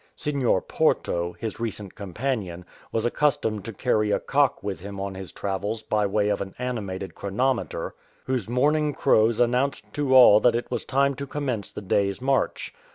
Senhor Porto, his recent companion, was accustomed to carry a cock with him on his travels by way of an animated chronometer, whose morning crows announced to all that it was time to com mence the day''s march.